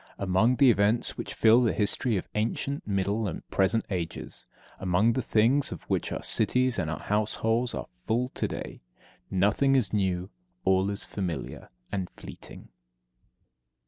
Among the events which fill the history of ancient, middle, and present ages; among the things of which our cities and our households are full to day, nothing is new, all is familiar and fleeting.